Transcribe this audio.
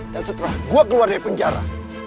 dan setelah gue keluar dari penjara